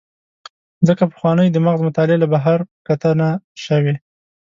ځکه پخوانۍ د مغز مطالعه له بهر په کتنه شوې.